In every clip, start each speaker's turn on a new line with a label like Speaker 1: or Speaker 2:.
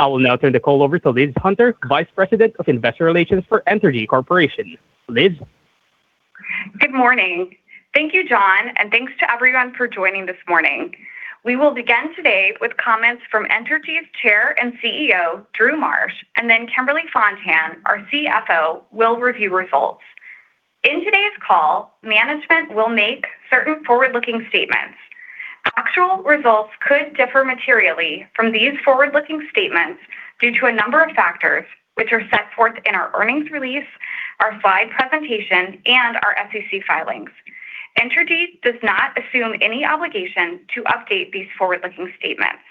Speaker 1: I will now turn the call over to Liz Hunter, Vice President of Investor Relations for Entergy Corporation. Liz?
Speaker 2: Good morning. Thank you, John, thanks to everyone for joining this morning. We will begin today with comments from Entergy's Chair and CEO, Drew Marsh, Kimberly Fontan, our CFO, will review results. In today's call, management will make certain forward-looking statements. Actual results could differ materially from these forward-looking statements due to a number of factors which are set forth in our earnings release, our slide presentation, and our SEC filings. Entergy does not assume any obligation to update these forward-looking statements.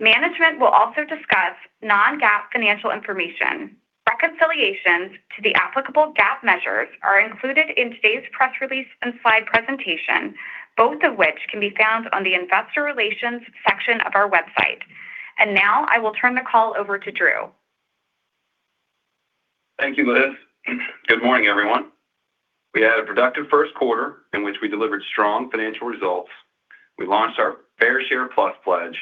Speaker 2: Management will also discuss non-GAAP financial information. Reconciliations to the applicable GAAP measures are included in today's press release and slide presentation, both of which can be found on the investor relations section of our website. Now I will turn the call over to Drew.
Speaker 3: Thank you, Liz. Good morning, everyone. We had a productive first quarter in which we delivered strong financial results. We launched our Fair Share Plus pledge,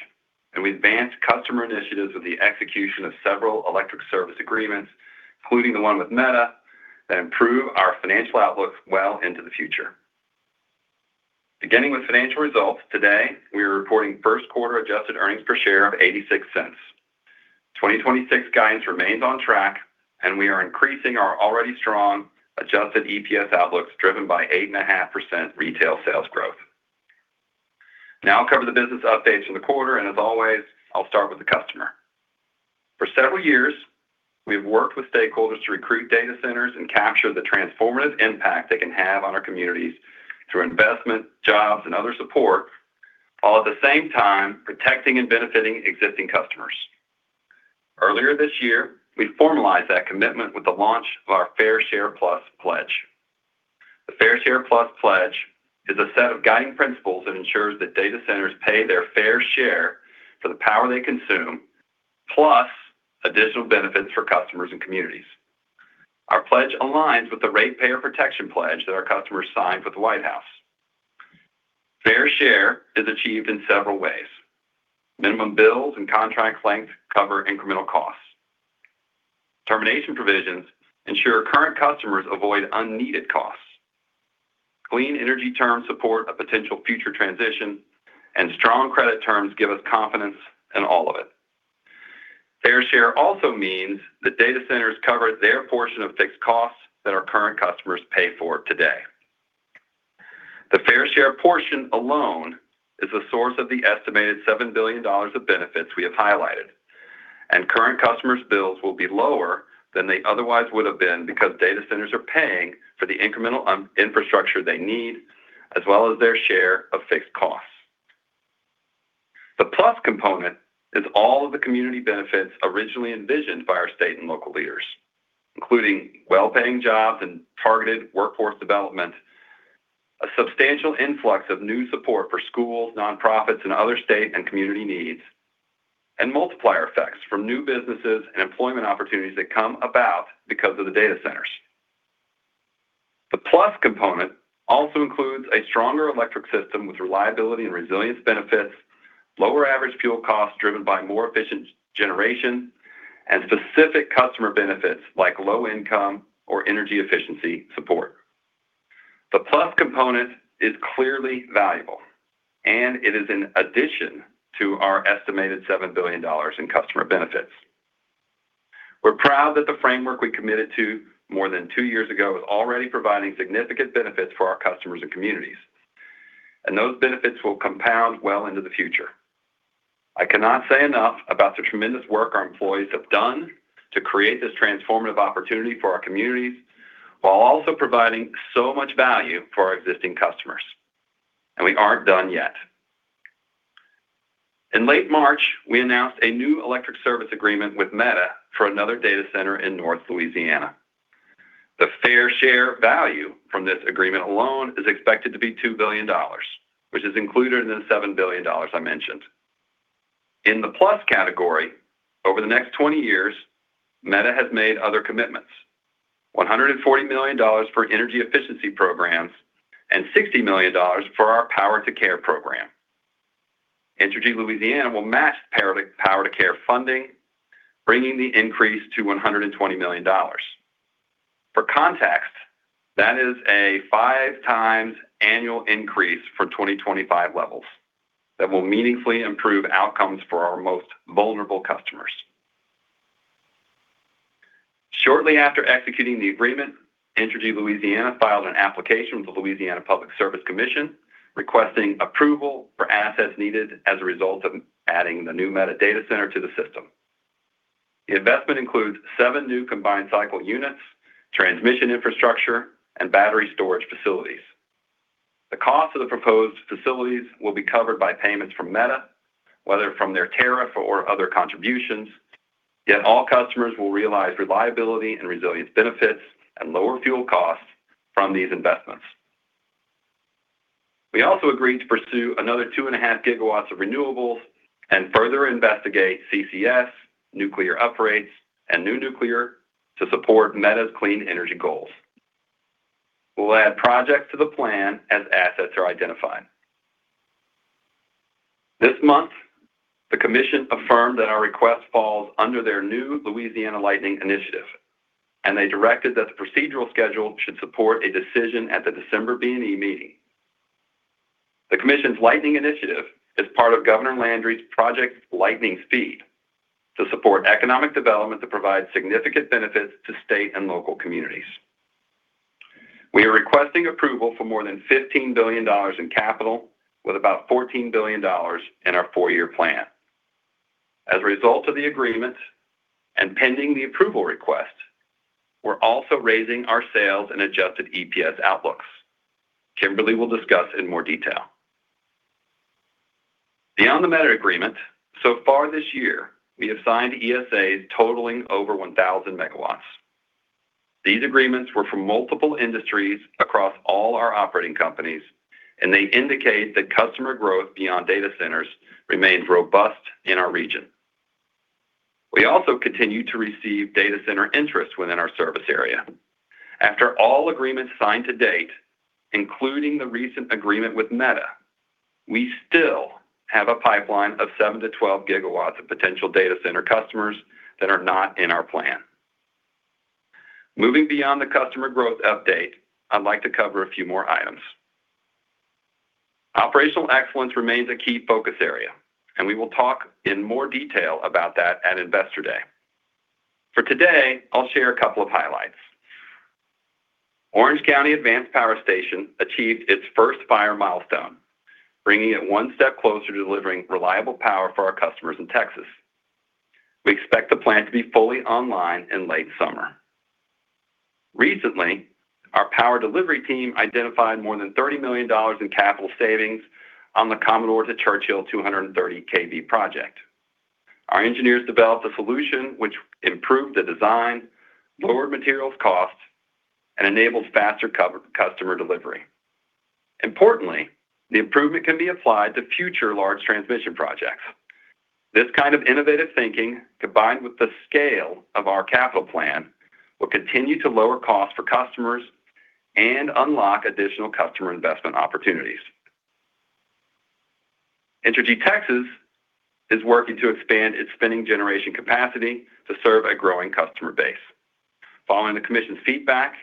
Speaker 3: and we advanced customer initiatives with the execution of several electric service agreements, including the one with Meta, that improve our financial outlook well into the future. Beginning with financial results, today, we are reporting first quarter adjusted earnings per share of $0.86. 2026 guidance remains on track, and we are increasing our already strong adjusted EPS outlooks driven by 8.5% retail sales growth. Now I'll cover the business updates for the quarter, and as always, I'll start with the customer. For several years, we have worked with stakeholders to recruit data centers and capture the transformative impact they can have on our communities through investment, jobs, and other support, while at the same time protecting and benefiting existing customers. Earlier this year, we formalized that commitment with the launch of our Fair Share Plus pledge. The Fair Share Plus pledge is a set of guiding principles that ensures that data centers pay their fair share for the power they consume, plus additional benefits for customers and communities. Our pledge aligns with the Ratepayer Protection Pledge that our customers signed with the White House. Fair share is achieved in several ways. Minimum bills and contract lengths cover incremental costs. Termination provisions ensure current customers avoid unneeded costs. Clean energy terms support a potential future transition. Strong credit terms give us confidence in all of it. Fair Share also means that data centers cover their portion of fixed costs that our current customers pay for today. The Fair Share portion alone is the source of the estimated $7 billion of benefits we have highlighted. Current customers' bills will be lower than they otherwise would have been because data centers are paying for the incremental infrastructure they need, as well as their share of fixed costs. The plus component is all of the community benefits originally envisioned by our state and local leaders, including well-paying jobs and targeted workforce development, a substantial influx of new support for schools, nonprofits, and other state and community needs, and multiplier effects from new businesses and employment opportunities that come about because of the data centers. The plus component also includes a stronger electric system with reliability and resilience benefits, lower average fuel costs driven by more efficient generation, and specific customer benefits like low income or energy efficiency support. The plus component is clearly valuable, and it is in addition to our estimated $7 billion in customer benefits. We're proud that the framework we committed to more than two years ago is already providing significant benefits for our customers and communities, and those benefits will compound well into the future. I cannot say enough about the tremendous work our employees have done to create this transformative opportunity for our communities while also providing so much value for our existing customers, and we aren't done yet. In late March, we announced a new electric service agreement with Meta for another data center in North Louisiana. The fair share value from this agreement alone is expected to be $2 billion, which is included in the $7 billion I mentioned. In the plus category, over the next 20 years, Meta has made other commitments. $140 million for energy efficiency programs and $60 million for our Power to Care program. Entergy Louisiana will match Power to Care funding, bringing the increase to $120 million. For context, that is a 5x annual increase for 2025 levels that will meaningfully improve outcomes for our most vulnerable customers. Shortly after executing the agreement, Entergy Louisiana filed an application with the Louisiana Public Service Commission, requesting approval for assets needed as a result of adding the new Meta data center to the system. The investment includes seven new combined cycle units, transmission infrastructure, and battery storage facilities. The cost of the proposed facilities will be covered by payments from Meta, whether from their tariff or other contributions, yet all customers will realize reliability and resilience benefits and lower fuel costs from these investments. We also agreed to pursue another 2.5GW of renewables and further investigate CCS, nuclear upgrades, and new nuclear to support Meta's clean energy goals. We'll add projects to the plan as assets are identified. This month, the commission affirmed that our request falls under their new Louisiana Lightning Initiative, and they directed that the procedural schedule should support a decision at the December B&E meeting. The commission's Lightning Initiative is part of Governor Landry's Project Lightning Speed to support economic development that provides significant benefits to state and local communities. We are requesting approval for more than $15 billion in capital with about $14 billion in our four-year plan. As a result of the agreement and pending the approval request, we're also raising our sales and adjusted EPS outlooks. Kimberly will discuss in more detail. Beyond the Meta agreement, so far this year, we have signed ESAs totaling over 1,000 MW. These agreements were from multiple industries across all our operating companies, and they indicate that customer growth beyond data centers remains robust in our region. We also continue to receive data center interest within our service area. After all agreements signed to date, including the recent agreement with Meta, we still have a pipeline of 7 G-12 GW of potential data center customers that are not in our plan. Moving beyond the customer growth update, I'd like to cover a few more items. Operational excellence remains a key focus area, and we will talk in more detail about that at Investor Day. For today, I'll share a couple of highlights. Orange County Advanced Power Station achieved its first fire milestone, bringing it one step closer to delivering reliable power for our customers in Texas. We expect the plant to be fully online in late summer. Recently, our power delivery team identified more than $30 million in capital savings on the Commodore to Churchill 230 kV project. Our engineers developed a solution which improved the design, lowered materials costs, and enabled faster customer delivery. Importantly, the improvement can be applied to future large transmission projects. This kind of innovative thinking, combined with the scale of our capital plan, will continue to lower costs for customers and unlock additional customer investment opportunities. Entergy Texas is working to expand its spinning generation capacity to serve a growing customer base. Following the commission's feedback,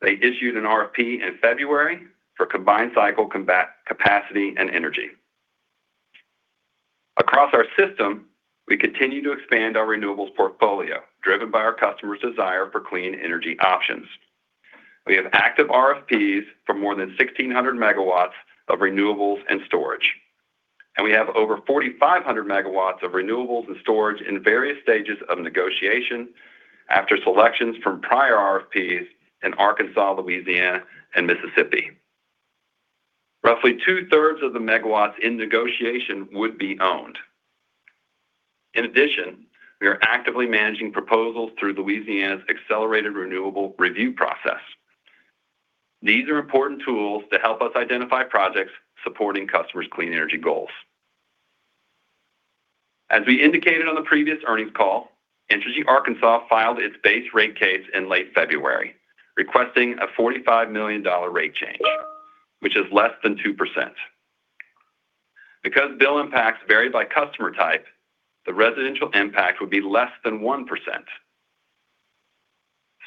Speaker 3: they issued an RFP in February for combined cycle capacity and energy. Across our system, we continue to expand our renewables portfolio, driven by our customers' desire for clean energy options. We have active RFPs for more than 1,600 MW of renewables and storage, and we have over 4,500 MW of renewables and storage in various stages of negotiation after selections from prior RFPs in Arkansas, Louisiana, and Mississippi. Roughly two-thirds of the MW in negotiation would be owned. In addition, we are actively managing proposals through Louisiana's accelerated renewable review process. These are important tools to help us identify projects supporting customers' clean energy goals. As we indicated on the previous earnings call, Entergy Arkansas filed its base rate case in late February, requesting a $45 million rate change, which is less than 2%. Because bill impacts vary by customer type, the residential impact would be less than 1%.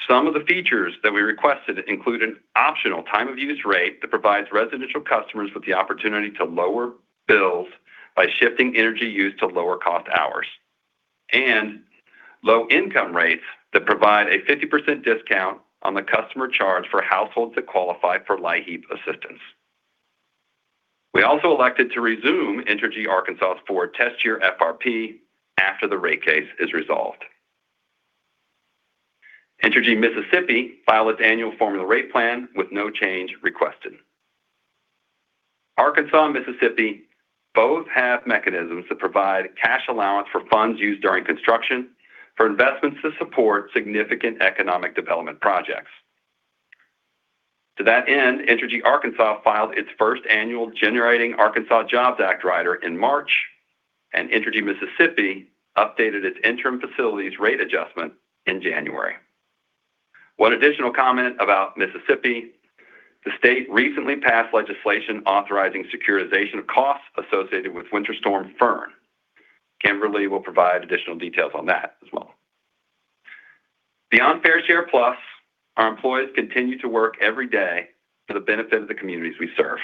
Speaker 3: Some of the features that we requested include an optional time-of-use rate that provides residential customers with the opportunity to lower bills by shifting energy use to lower-cost hours and low-income rates that provide a 50% discount on the customer charge for households that qualify for LIHEAP assistance. We also elected to resume Entergy Arkansas' four-test year FRP after the rate case is resolved. Entergy Mississippi filed its annual formula rate plan with no change requested. Arkansas and Mississippi both have mechanisms that provide cash allowance for funds used during construction for investments to support significant economic development projects. To that end, Entergy Arkansas filed its first annual Generating Arkansas Jobs Act rider in March, and Entergy Mississippi updated its interim facilities rate adjustment in January. One additional comment about Mississippi, the state recently passed legislation authorizing securitization of costs associated with Winter Storm Fern. Kimberly will provide additional details on that as well. Beyond Fair Share Plus, our employees continue to work every day for the benefit of the communities we serve.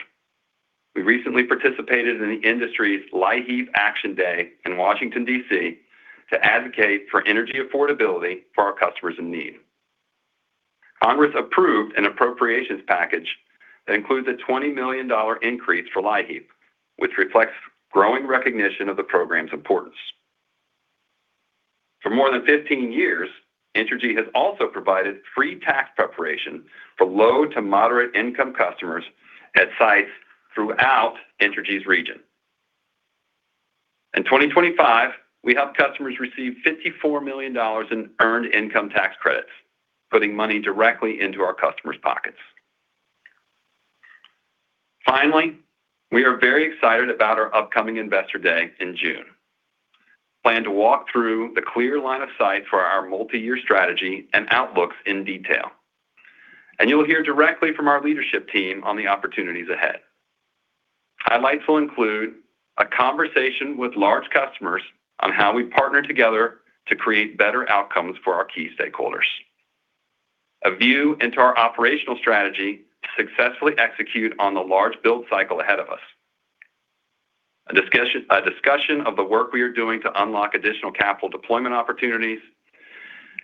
Speaker 3: We recently participated in the industry's LIHEAP Action Day in Washington, D.C. to advocate for energy affordability for our customers in need. Congress approved an appropriations package that includes a $20 million increase for LIHEAP, which reflects growing recognition of the program's importance. For more than 15 years, Entergy has also provided free tax preparation for low- to moderate-income customers at sites throughout Entergy's region. In 2025, we helped customers receive $54 million in earned income tax credits, putting money directly into our customers' pockets. Finally, we are very excited about our upcoming Investor Day in June. Plan to walk through the clear line of sight for our multi-year strategy and outlooks in detail. You'll hear directly from our leadership team on the opportunities ahead. Highlights will include a conversation with large customers on how we partner together to create better outcomes for our key stakeholders. A view into our operational strategy to successfully execute on the large build cycle ahead of us. A discussion of the work we are doing to unlock additional capital deployment opportunities.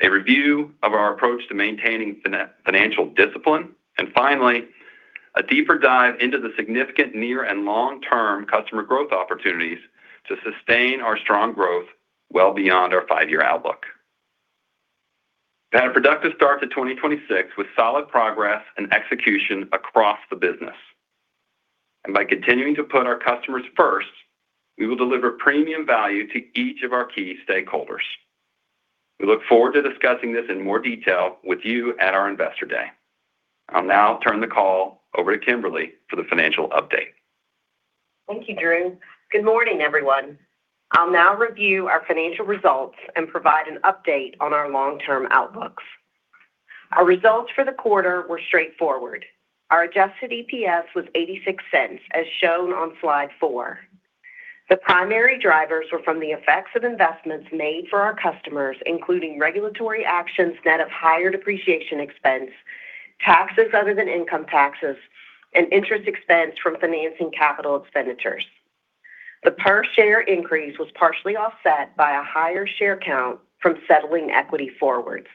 Speaker 3: A review of our approach to maintaining financial discipline. Finally, a deeper dive into the significant near and long-term customer growth opportunities to sustain our strong growth well beyond our five-year outlook. We've had a productive start to 2026 with solid progress and execution across the business. By continuing to put our customers first, we will deliver premium value to each of our key stakeholders. We look forward to discussing this in more detail with you at our Investor Day. I'll now turn the call over to Kimberly for the financial update.
Speaker 4: Thank you, Drew. Good morning, everyone. I'll now review our financial results and provide an update on our long-term outlooks. Our results for the quarter were straightforward. Our adjusted EPS was $0.86, as shown on Slide four. The primary drivers were from the effects of investments made for our customers, including regulatory actions net of higher depreciation expense, taxes other than income taxes, and interest expense from financing capital expenditures. The per-share increase was partially offset by a higher share count from settling equity forwards.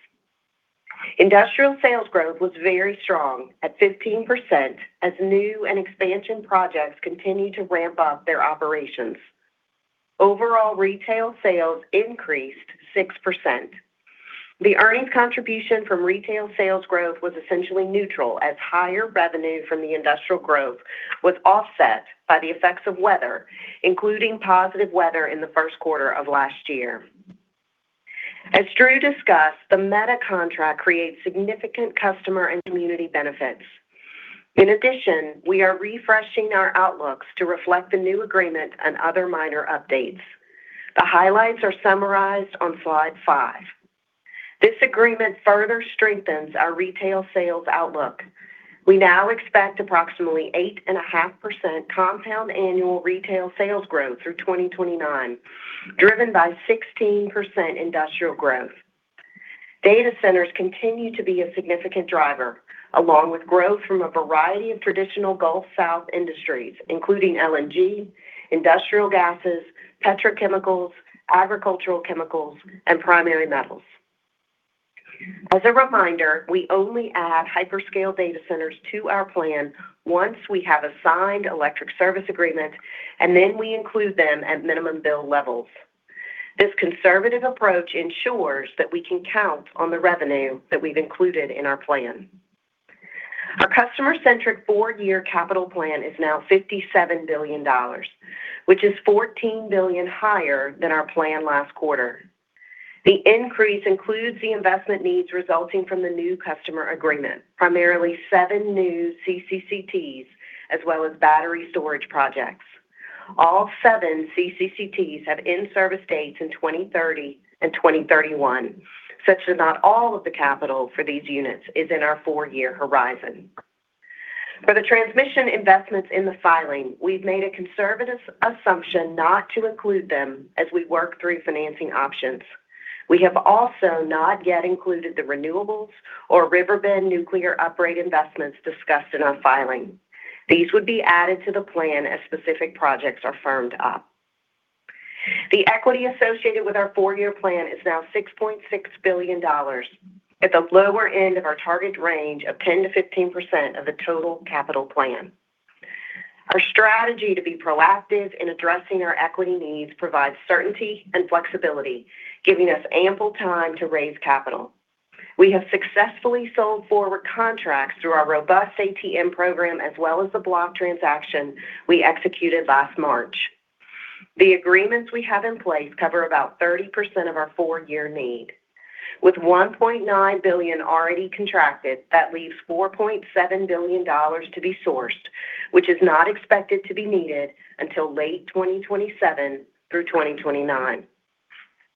Speaker 4: Industrial sales growth was very strong at 15% as new and expansion projects continued to ramp up their operations. Overall retail sales increased 6%. The earnings contribution from retail sales growth was essentially neutral as higher revenue from the industrial growth was offset by the effects of weather, including positive weather in the first quarter of last year. As Drew discussed, the Meta contract creates significant customer and community benefits. In addition, we are refreshing our outlooks to reflect the new agreement and other minor updates. The highlights are summarized on Slide five. This agreement further strengthens our retail sales outlook. We now expect approximately 8.5% compound annual retail sales growth through 2029, driven by 16% industrial growth. Data centers continue to be a significant driver, along with growth from a variety of traditional Gulf South industries, including LNG, industrial gases, petrochemicals, agricultural chemicals, and primary metals. As a reminder, we only add hyperscale data centers to our plan once we have a signed electric service agreement, and then we include them at minimum bill levels. This conservative approach ensures that we can count on the revenue that we've included in our plan. Our customer-centric four-year capital plan is now $57 billion, which is $14 billion higher than our plan last quarter. The increase includes the investment needs resulting from the new customer agreement, primarily seven new CCCTs, as well as battery storage projects. All seven CCCTs have in-service dates in 2030 and 2031, such that not all of the capital for these units is in our four-year horizon. For the transmission investments in the filing, we've made a conservative assumption not to include them as we work through financing options. We have also not yet included the renewables or Riverbend nuclear upgrade investments discussed in our filing. These would be added to the plan as specific projects are firmed up. The equity associated with our four-year plan is now $6.6 billion at the lower end of our target range of 10%-15% of the total capital plan. Our strategy to be proactive in addressing our equity needs provides certainty and flexibility, giving us ample time to raise capital. We have successfully sold forward contracts through our robust ATM program as well as the block transaction we executed last March. The agreements we have in place cover about 30% of our four-year need. With $1.9 billion already contracted, that leaves $4.7 billion to be sourced, which is not expected to be needed until late 2027 through 2029.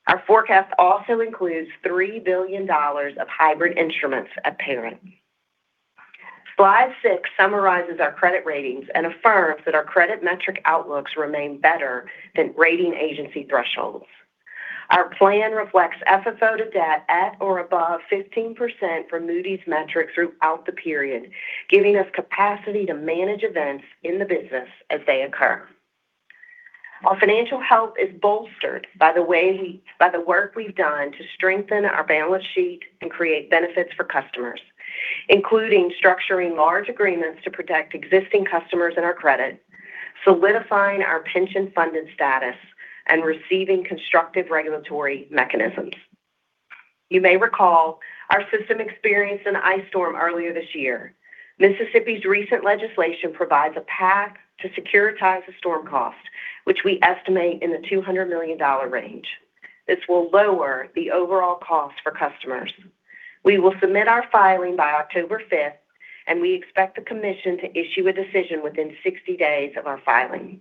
Speaker 4: Our forecast also includes $3 billion of hybrid instruments at parent. Slide six summarizes our credit ratings and affirms that our credit metric outlooks remain better than rating agency thresholds. Our plan reflects FFO to debt at or above 15% for Moody's metric throughout the period, giving us capacity to manage events in the business as they occur. Our financial health is bolstered by the work we've done to strengthen our balance sheet and create benefits for customers, including structuring large agreements to protect existing customers and our credit, solidifying our pension-funded status, and receiving constructive regulatory mechanisms. You may recall our system experienced an ice storm earlier this year. Mississippi's recent legislation provides a path to securitize the storm cost, which we estimate in the $200 million range. This will lower the overall cost for customers. We will submit our filing by October fifth, and we expect the commission to issue a decision within 60 days of our filing.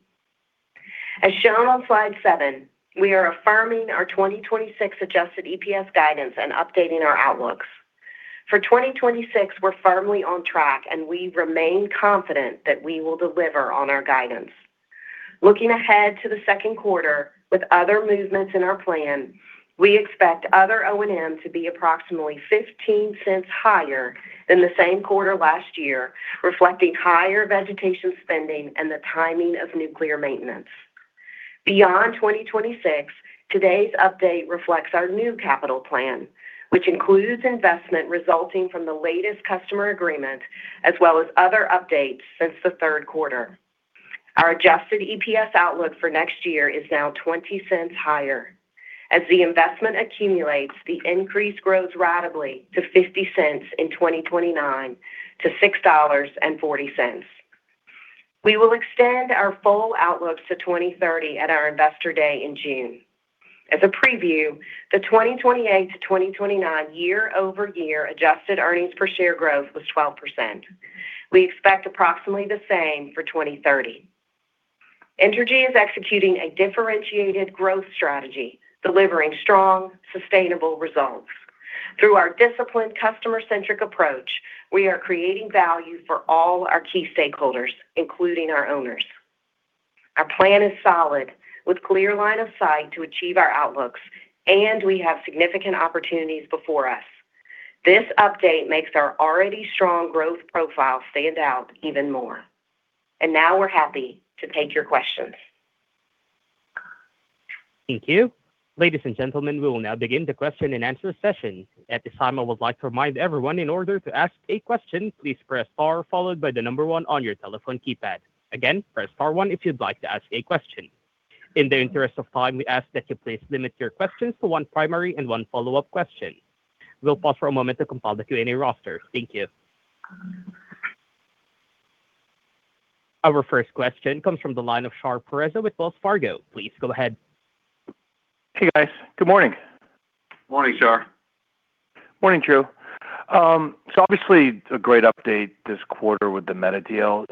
Speaker 4: As shown on Slide seven, we are affirming our 2026 adjusted EPS guidance and updating our outlooks. For 2026, we're firmly on track. We remain confident that we will deliver on our guidance. Looking ahead to the second quarter with other movements in our plan, we expect other O&M to be approximately $0.15 higher than the same quarter last year, reflecting higher vegetation spending and the timing of nuclear maintenance. Beyond 2026, today's update reflects our new capital plan, which includes investment resulting from the latest customer agreement, as well as other updates since the third quarter. Our adjusted EPS outlook for next year is now $0.20 higher. As the investment accumulates, the increase grows radically to $0.50 in 2029 to $6.40. We will extend our full outlook to 2030 at our Investor Day in June. As a preview, the 2028 to 2029 year-over-year adjusted earnings per share growth was 12%. We expect approximately the same for 2030. Entergy is executing a differentiated growth strategy, delivering strong, sustainable results. Through our disciplined customer-centric approach, we are creating value for all our key stakeholders, including our owners. Our plan is solid, with clear line of sight to achieve our outlooks, and we have significant opportunities before us. This update makes our already strong growth profile stand out even more. Now we're happy to take your questions.
Speaker 1: Thank you. Ladies and gentlemen, we will now begin the question-and-answer session. At this time, I would like to remind everyone in order to ask a question, please press star followed by the number one on your telephone keypad. Again, press star one if you'd like to ask a question. In the interest of time, we ask that you please limit your questions to one primary and one follow-up question. We'll pause for a moment to compile the Q&A roster. Thank you. Our first question comes from the line of Shar Pourreza with Wells Fargo. Please go ahead.
Speaker 5: Hey, guys. Good morning.
Speaker 3: Morning, Shar.
Speaker 5: Morning, Drew. Obviously it's a great update this quarter with the Meta deal.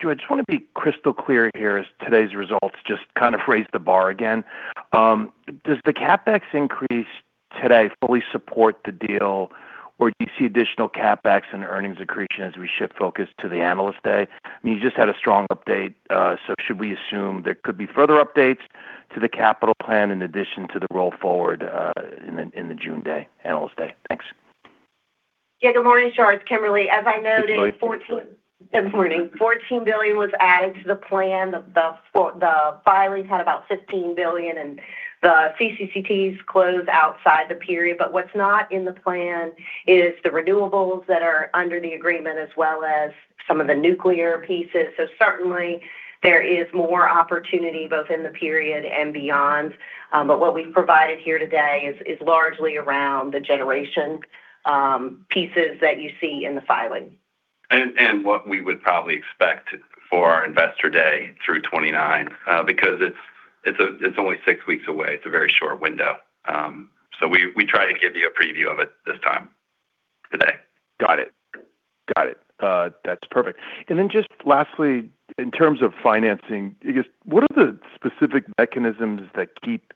Speaker 5: Drew, I just want to be crystal clear here as today's results just kind of raised the bar again. Does the CapEx increase today fully support the deal, or do you see additional CapEx and earnings accretion as we shift focus to the Analyst Day? I mean, you just had a strong update, should we assume there could be further updates to the capital plan in addition to the roll forward, in the June day, Analyst Day? Thanks.
Speaker 4: Yeah. Good morning, Shar. It's Kimberly. As I noted-
Speaker 3: Good morning....
Speaker 4: 14-
Speaker 5: Good morning.
Speaker 4: $14 billion was added to the plan. The filing had about $15 billion. The CCCTs close outside the period. What's not in the plan is the renewables that are under the agreement as well as some of the nuclear pieces. Certainly there is more opportunity both in the period and beyond. What we've provided here today is largely around the generation pieces that you see in the filing.
Speaker 3: What we would probably expect for our Investor Day through 2029, because it's only six weeks away. It's a very short window. We try to give you a preview of it this time today.
Speaker 5: Got it. Got it. That's perfect. Just lastly, in terms of financing, I guess, what are the specific mechanisms that keep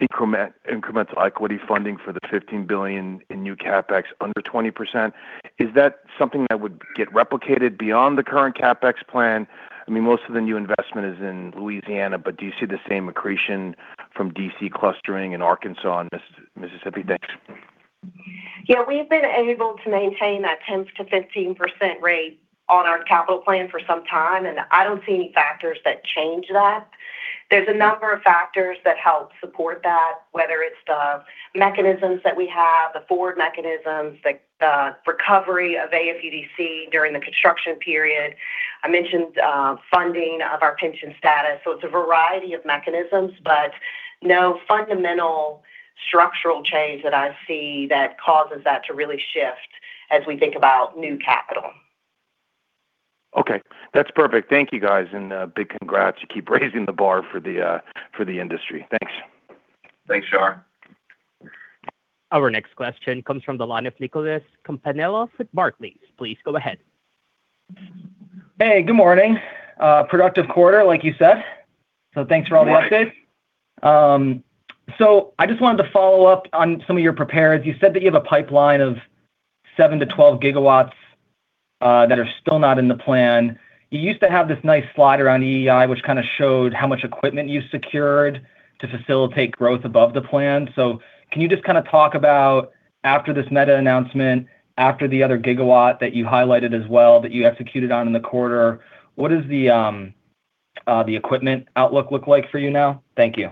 Speaker 5: incremental equity funding for the $15 billion in new CapEx under 20%? Is that something that would get replicated beyond the current CapEx plan? I mean, most of the new investment is in Louisiana, but do you see the same accretion from DC clustering in Arkansas and Mississippi? Thanks.
Speaker 4: Yeah, we've been able to maintain that 10%-15% rate on our capital plan for some time. I don't see any factors that change that. There's a number of factors that help support that, whether it's the mechanisms that we have, the forward mechanisms, the recovery of AFUDC during the construction period. I mentioned funding of our pension status. It's a variety of mechanisms, no fundamental structural change that I see that causes that to really shift as we think about new capital.
Speaker 5: Okay, that's perfect. Thank you, guys, and big congrats. You keep raising the bar for the industry. Thanks.
Speaker 3: Thanks, Shar.
Speaker 1: Our next question comes from the line of Nicholas Campanella with Barclays. Please go ahead.
Speaker 6: Hey, good morning. Productive quarter, like you said. Thanks for all the updates.
Speaker 3: Good morning.
Speaker 6: I just wanted to follow up on some of your prepares. You said that you have a pipeline of 7 GW-12 GW that are still not in the plan. You used to have this nice slide around EEI, which kind of showed how much equipment you secured to facilitate growth above the plan. Can you just kind of talk about after this Meta announcement, after the other 1 gigawatt that you highlighted as well that you executed on in the quarter, what is the equipment outlook look like for you now? Thank you.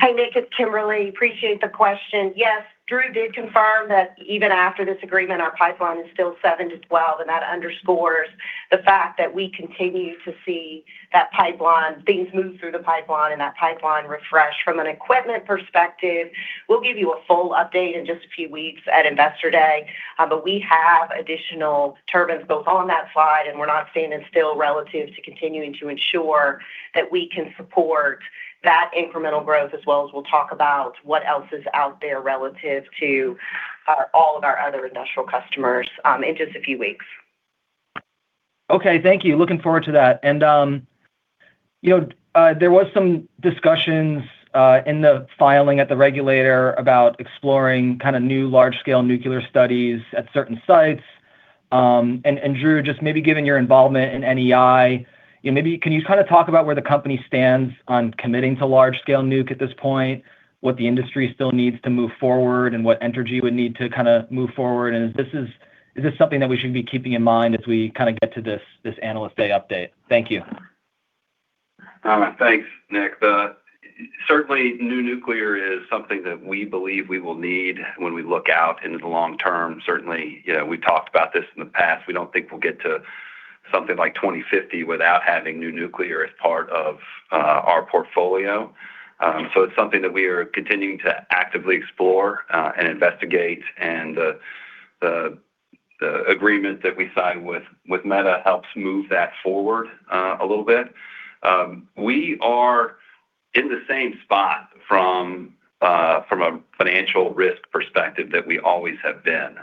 Speaker 4: Hey, Nick, it's Kimberly. Appreciate the question. Yes, Drew did confirm that even after this agreement, our pipeline is still 7 GW-12 GW, and that underscores the fact that we continue to see that pipeline, things move through the pipeline and that pipeline refresh. From an equipment perspective, we'll give you a full update in just a few weeks at Investor Day. We have additional turbines both on that slide, and we're not staying still relative to continuing to ensure that we can support that incremental growth as well as we'll talk about what else is out there relative to all of our other industrial customers in just a few weeks.
Speaker 6: Okay. Thank you. Looking forward to that. You know, there was some discussions in the filing at the regulator about exploring kind of new large scale nuclear studies at certain sites. Drew, just maybe given your involvement in NEI, you know, maybe can you kind of talk about where the company stands on committing to large scale nuke at this point? What the industry still needs to move forward, what Entergy would need to kind of move forward? Is this something that we should be keeping in mind as we kind of get to this Investor Day update? Thank you.
Speaker 3: Thanks, Nick. Certainly new nuclear is something that we believe we will need when we look out into the long term. Certainly, you know, we've talked about this in the past. We don't think we'll get to something like 2050 without having new nuclear as part of our portfolio. It's something that we are continuing to actively explore and investigate. The agreement that we signed with Meta helps move that forward a little bit. We are in the same spot from a financial risk perspective that we always have been.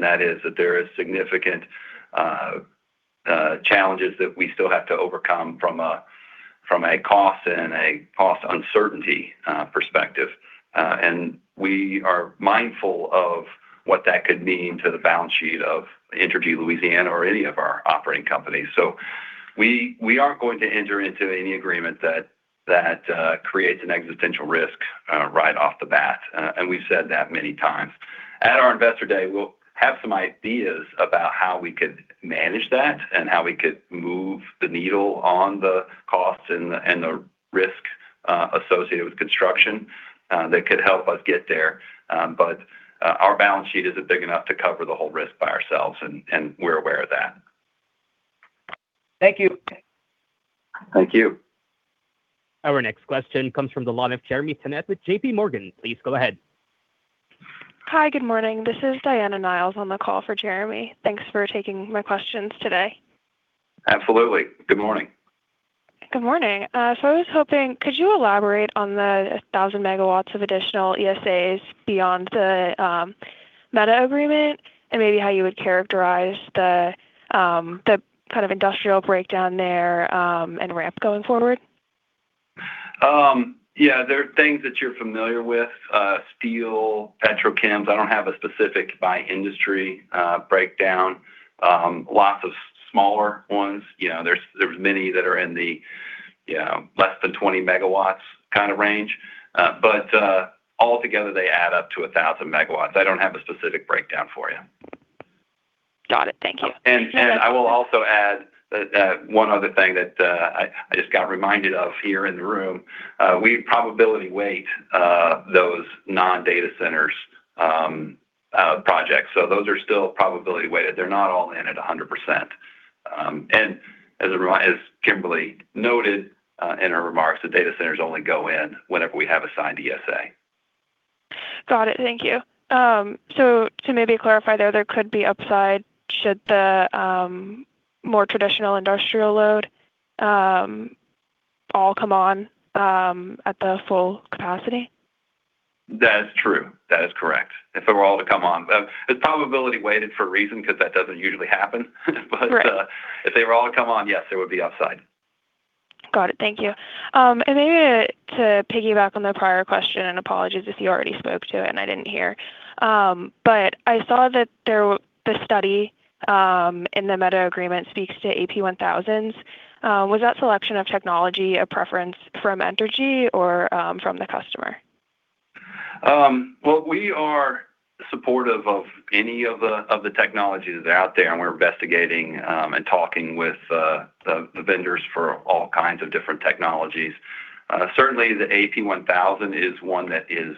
Speaker 3: That is that there is significant challenges that we still have to overcome from a cost and a cost uncertainty perspective. We are mindful of what that could mean to the balance sheet of Entergy Louisiana or any of our operating companies. We aren't going to enter into any agreement that creates an existential risk right off the bat. We've said that many times. At our Investor Day, we'll have some ideas about how we could manage that and how we could move the needle on the costs and the risk associated with construction that could help us get there. Our balance sheet isn't big enough to cover the whole risk by ourselves and we're aware of that.
Speaker 6: Thank you.
Speaker 3: Thank you.
Speaker 1: Our next question comes from the line of Jeremy Tonet with JPMorgan. Please go ahead.
Speaker 7: Hi, good morning. This is Diana Niles on the call for Jeremy. Thanks for taking my questions today.
Speaker 3: Absolutely. Good morning.
Speaker 7: Good morning. I was hoping, could you elaborate on the 1,000 MW of additional ESAs beyond the Meta agreement and maybe how you would characterize the kind of industrial breakdown there and ramp going forward?
Speaker 3: Yeah, they're things that you're familiar with, steel, petrol, chems. I don't have a specific by industry breakdown. Lots of smaller ones. There's many that are in the less than 20 megawatts kind of range. All together they add up to 1,000 MW. I don't have a specific breakdown for you.
Speaker 7: Got it. Thank you.
Speaker 3: I will also add one other thing that I just got reminded of here in the room. We probability weight those non-data centers projects. Those are still probability weighted. They're not all in at 100%. As Kimberly noted in her remarks, the data centers only go in whenever we have a signed ESA.
Speaker 7: Got it. Thank you. To maybe clarify there could be upside should the more traditional industrial load all come on at the full capacity?
Speaker 3: That is true. That is correct. If they were all to come on. It's probability weighted for a reason because that doesn't usually happen.
Speaker 7: Right...
Speaker 3: if they were all to come on, yes, there would be upside.
Speaker 7: Got it. Thank you. Maybe to piggyback on the prior question, and apologies if you already spoke to it and I didn't hear, but I saw that there the study in the Meta agreement speaks to AP1000s. Was that selection of technology a preference from Entergy or from the customer?
Speaker 3: Well, we are supportive of any of the, of the technologies that are out there, and we're investigating, and talking with, the vendors for all kinds of different technologies. Certainly the AP1000 is one that is,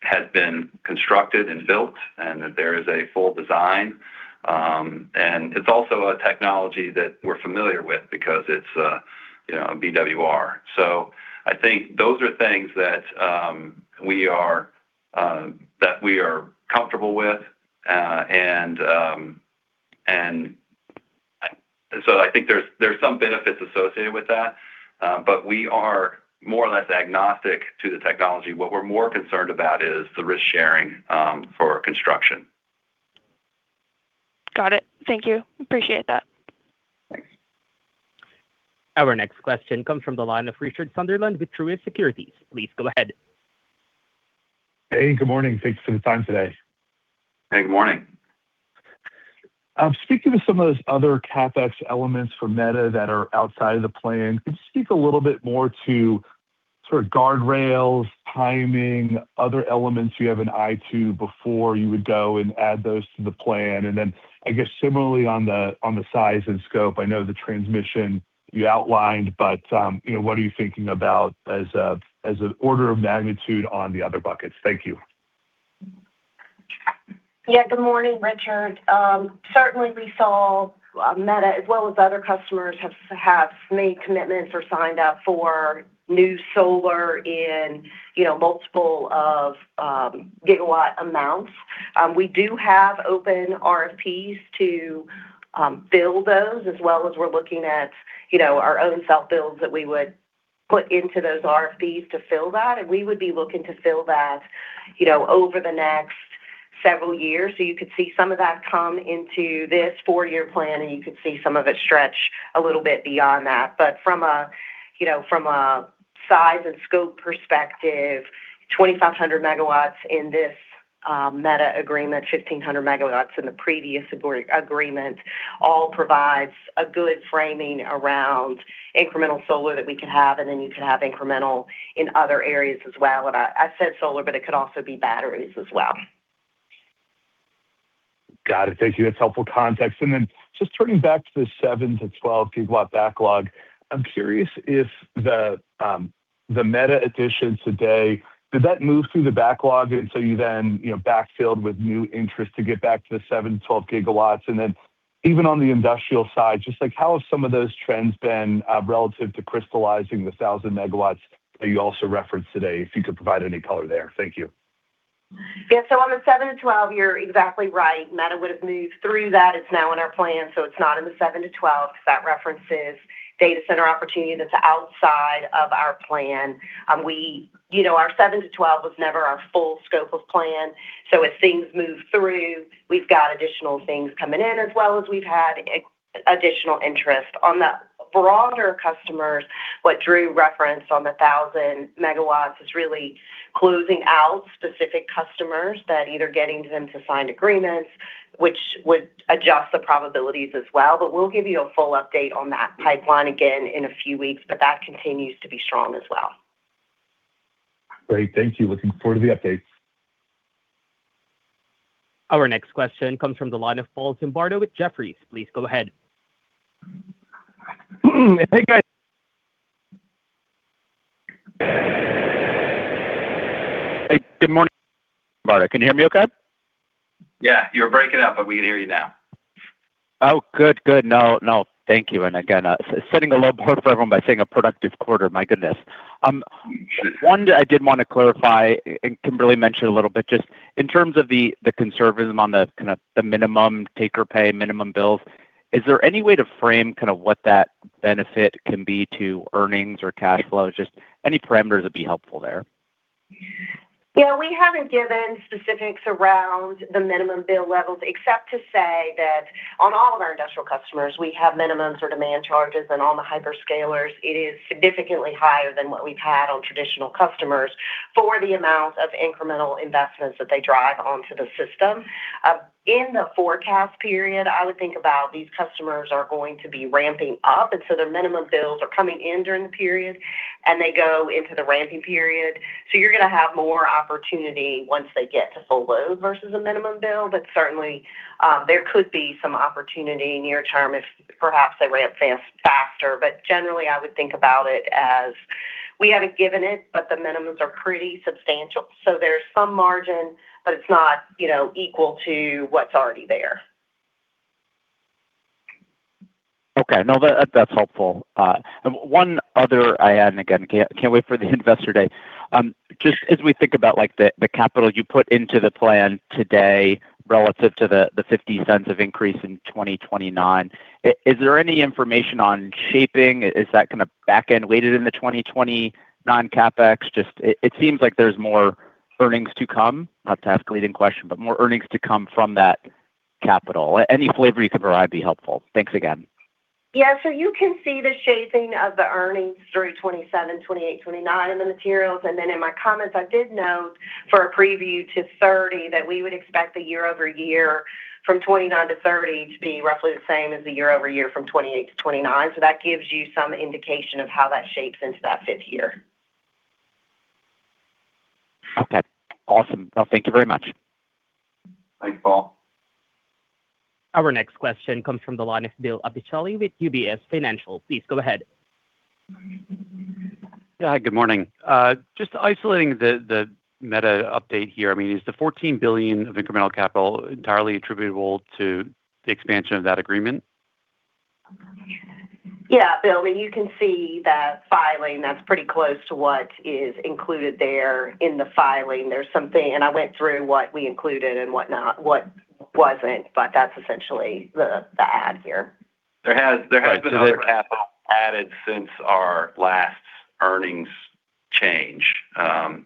Speaker 3: has been constructed and built and that there is a full design. And it's also a technology that we're familiar with because it's, you know, BWR. I think those are things that we are that we are comfortable with. I think there's some benefits associated with that. We are more or less agnostic to the technology. What we're more concerned about is the risk sharing for construction.
Speaker 7: Got it. Thank you. Appreciate that.
Speaker 3: Thanks.
Speaker 1: Our next question comes from the line of Richard Sunderland with Truist Securities. Please go ahead.
Speaker 8: Hey, good morning. Thanks for the time today.
Speaker 3: Hey, good morning.
Speaker 8: Speaking of some of those other CapEx elements for Meta that are outside of the plan, could you speak a little bit more to sort of guardrails, timing, other elements you have an eye to before you would go and add those to the plan? I guess similarly on the, on the size and scope, I know the transmission you outlined, but, you know, what are you thinking about as a, as an order of magnitude on the other buckets? Thank you.
Speaker 4: Good morning, Richard. Certainly we saw Meta as well as other customers have made commitments or signed up for new solar in, you know, multiple of gigawatt amounts. We do have open RFPs to fill those as well as we're looking at, you know, our own self-builds that we would put into those RFPs to fill that. We would be looking to fill that, you know, over the next several years. You could see some of that come into this four-year plan, and you could see some of it stretch a little bit beyond that. From a, you know, from a size and scope perspective, 2,500 MW in this Meta agreement, 1,500 MW in the previous agreement all provides a good framing around incremental solar that we could have, and then you could have incremental in other areas as well. I said solar, but it could also be batteries as well.
Speaker 8: Got it. Thank you. That's helpful context. Just turning back to the 7 GW-12 GW backlog, I'm curious if the Meta additions today, did that move through the backlog, you know, backfilled with new interest to get back to the 7 GW-12GW? Even on the industrial side, just like how have some of those trends been relative to crystallizing the 1,000 MW that you also referenced today? If you could provide any color there. Thank you.
Speaker 4: On the 7 GW-12 GW, you're exactly right. Meta would've moved through that. It's now in our plan. It's not in the 7 GW-12 GW because that references data center opportunity that's outside of our plan. You know, our 7 GW-12 GW was never our full scope of plan. As things move through, we've got additional things coming in as well as we've had additional interest. On the broader customers, what Drew referenced on the 1,000 MW is really closing out specific customers that either getting them to signed agreements, which would adjust the probabilities as well. We'll give you a full update on that pipeline again in a few weeks, but that continues to be strong as well.
Speaker 8: Great. Thank you. Looking forward to the updates.
Speaker 1: Our next question comes from the line of Paul Zimbardo with Jefferies. Please go ahead.
Speaker 9: Hey, guys. Hey, good morning, Paul Zimbardo. Can you hear me okay?
Speaker 3: Yeah, you were breaking up, but we can hear you now.
Speaker 9: Good, good. No, no. Thank you. Again, setting a low bar for everyone by saying a productive quarter. My goodness. One, I did wanna clarify, and Kimberly mentioned a little bit, just in terms of the conservatism on the kind of minimum take or pay minimum bills, is there any way to frame kind of what that benefit can be to earnings or cash flows? Just any parameters would be helpful there.
Speaker 4: Yeah, we haven't given specifics around the minimum bill levels, except to say that on all of our industrial customers, we have minimums or demand charges. On the hyperscalers, it is significantly higher than what we've had on traditional customers for the amount of incremental investments that they drive onto the system. In the forecast period, I would think about these customers are going to be ramping up, and so their minimum bills are coming in during the period, and they go into the ramping period. You're gonna have more opportunity once they get to full load versus a minimum bill. Certainly, there could be some opportunity near term if perhaps they ramp faster. Generally, I would think about it as we haven't given it, but the minimums are pretty substantial. There's some margin, but it's not, you know, equal to what's already there.
Speaker 9: Okay. No, that's helpful. One other I had, and again, can't wait for the Investor Day. Just as we think about like the capital you put into the plan today relative to the $0.50 of increase in 2029, is there any information on shaping? Is that kind of back end weighted in the 2029 CapEx? Just it seems like there's more earnings to come. Not to ask a leading question, but more earnings to come from that capital. Any flavor you can provide would be helpful. Thanks again.
Speaker 4: You can see the shaping of the earnings through 2027, 2028, 2029 in the materials. In my comments, I did note for a preview to 2030 that we would expect the year-over-year from 2029-2030 to be roughly the same as the year-over-year from 2028-2029. That gives you some indication of how that shapes into that fifth year.
Speaker 9: Okay. Awesome. No, thank you very much.
Speaker 3: Thanks, Paul.
Speaker 1: Our next question comes from the line of Bill Appicelli with UBS Financial. Please go ahead.
Speaker 10: Yeah, good morning. Just isolating the Meta update here. I mean, is the $14 billion of incremental capital entirely attributable to the expansion of that agreement?
Speaker 4: Yeah, Bill, I mean, you can see that filing. That's pretty close to what is included there in the filing. I went through what we included and whatnot, what wasn't, but that's essentially the add here.
Speaker 3: There has been other capital added since our last earnings change.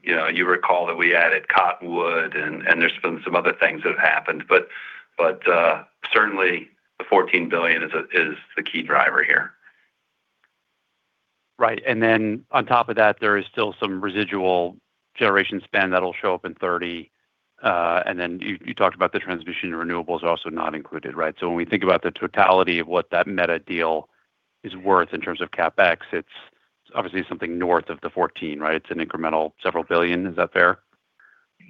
Speaker 3: You know, you recall that we added Cottonwood and there's been some other things that have happened. Certainly the $14 billion is the key driver here.
Speaker 10: Right. On top of that, there is still some residual generation spend that'll show up in 2030. You talked about the transmission renewables also not included, right? When we think about the totality of what that Meta deal is worth in terms of CapEx, it's obviously something north of the 14, right? It's an incremental several billion. Is that fair?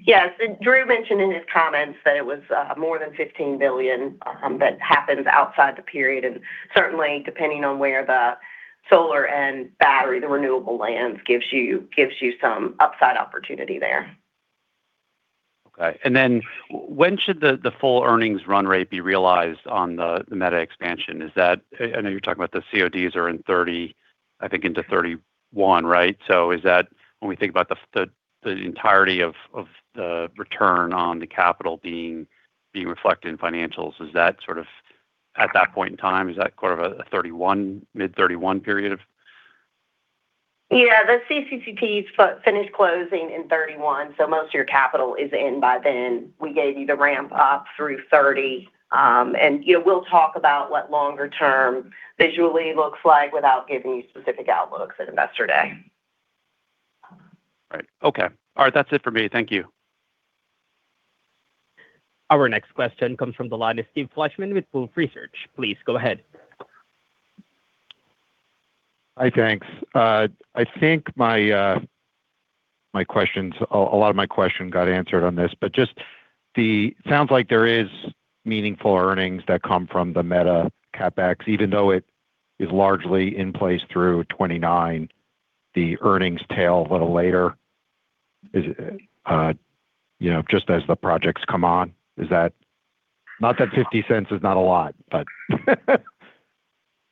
Speaker 4: Yes. Drew mentioned in his comments that it was more than $15 billion that happens outside the period. Certainly depending on where the solar and battery, the renewable lands gives you some upside opportunity there.
Speaker 10: Okay. Then when should the full earnings run rate be realized on the Meta expansion? I know you're talking about the CODs are in 2030, I think into 2031, right? Is that when we think about the entirety of the return on the capital being reflected in financials, is that sort of at that point in time? Is that sort of a 2031, mid-2031 period of?
Speaker 4: Yeah, the CCCTs finish closing in 2031, most of your capital is in by then. We gave you the ramp up through 2030. You know, we'll talk about what longer term visually looks like without giving you specific outlooks at Investor Day.
Speaker 10: Right. Okay. All right, that's it for me. Thank you.
Speaker 1: Our next question comes from the line of Steve Fleishman with Wolfe Research. Please go ahead.
Speaker 11: Hi, thanks. I think my questions, a lot of my question got answered on this. Sounds like there is meaningful earnings that come from the Meta CapEx, even though it is largely in place through 2029, the earnings tail a little later. Is it, you know, just as the projects come on, is that?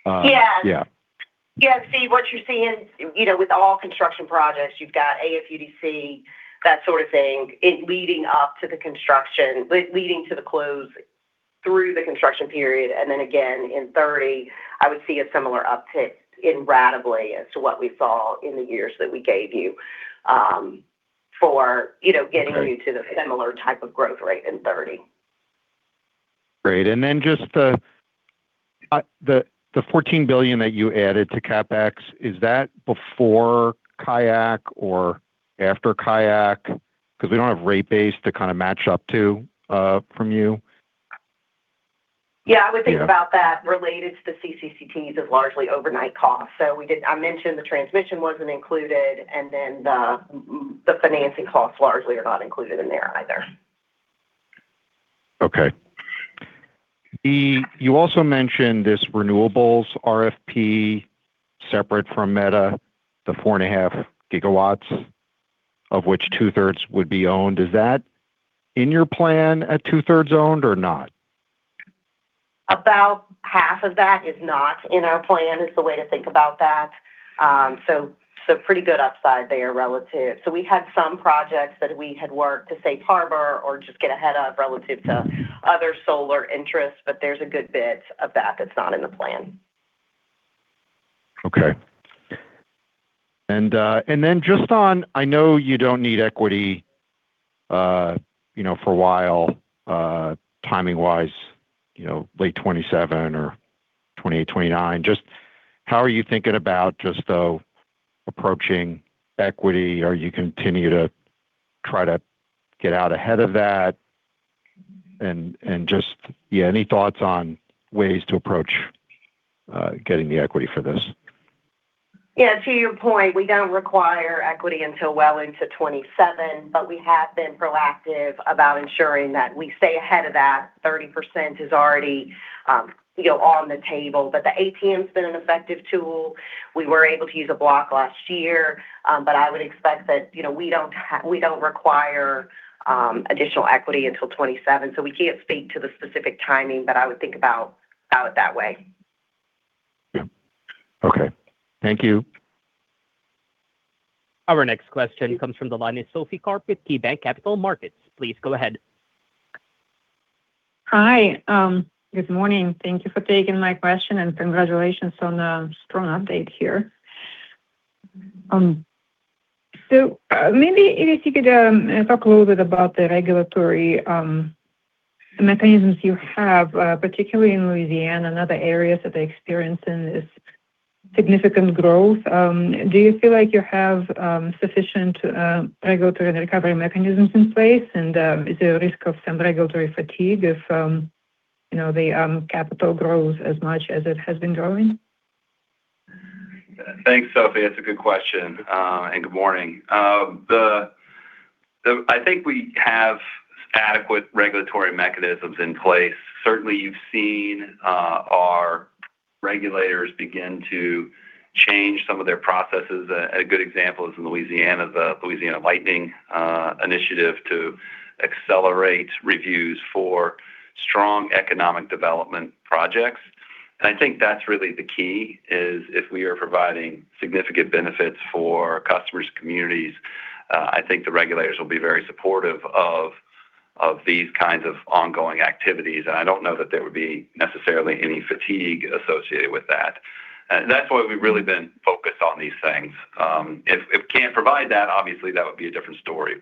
Speaker 4: Yeah.
Speaker 11: Yeah.
Speaker 4: Yeah, Steve, what you're seeing, you know, with all construction projects, you've got AFUDC, that sort of thing. It leading up to the construction, leading to the close through the construction period. Then again, in 2030, I would see a similar uptick in ratably as to what we saw in the years that we gave you.
Speaker 11: Right
Speaker 4: getting you to the similar type of growth rate in 2030.
Speaker 11: Great. Then just the $14 billion that you added to CapEx, is that before CWIP or after CWIP? Because we don't have rate base to kind of match up to, from you.
Speaker 4: Yeah, I would think about that related to the CCCTs as largely overnight costs. I mentioned the transmission wasn't included, and then the financing costs largely are not included in there either.
Speaker 11: Okay. You also mentioned this renewables RFP separate from Meta, the 4.5GW, of which two-thirds would be owned. Is that in your plan at two-thirds owned or not?
Speaker 4: About half of that is not in our plan, is the way to think about that. Pretty good upside there relative. We had some projects that we had worked to safe harbor or just get ahead of relative to other solar interests, but there's a good bit of that that's not in the plan.
Speaker 11: Okay. Then just on, I know you don't need equity, you know, for a while, timing-wise, you know, late 2027 or 2028, 2029. Just how are you thinking about just approaching equity? Are you continue to try to get out ahead of that? Just, yeah, any thoughts on ways to approach getting the equity for this?
Speaker 4: Yeah, to your point, we don't require equity until well into 2027, but we have been proactive about ensuring that we stay ahead of that. 30% is already, you know, on the table. The ATM's been an effective tool. We were able to use a block last year, I would expect that, you know, we don't require additional equity until 2027, so we can't speak to the specific timing, I would think about it that way.
Speaker 11: Yeah. Okay. Thank you.
Speaker 1: Our next question comes from the line of Sophie Karp with KeyBanc Capital Markets. Please go ahead.
Speaker 12: Hi. Good morning. Thank you for taking my question, and congratulations on a strong update here. Maybe if you could talk a little bit about the regulatory mechanisms you have, particularly in Louisiana and other areas that are experiencing this significant growth. Do you feel like you have sufficient regulatory and recovery mechanisms in place? Is there a risk of some regulatory fatigue if, you know, the capital grows as much as it has been growing?
Speaker 3: Thanks, Sophie. That's a good question. Good morning. I think we have adequate regulatory mechanisms in place. Certainly, you've seen our regulators begin to change some of their processes. A good example is in Louisiana, the Lightning Initiative to accelerate reviews for strong economic development projects. I think that's really the key, is if we are providing significant benefits for customers, communities, I think the regulators will be very supportive of these kinds of ongoing activities. I don't know that there would be necessarily any fatigue associated with that. That's why we've really been focused on these things. If we can't provide that, obviously that would be a different story.